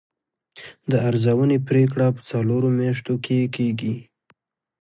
د ارزونې پریکړه په څلورو میاشتو کې کیږي.